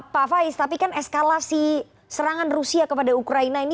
pak faiz tapi kan eskalasi serangan rusia kepada ukraina ini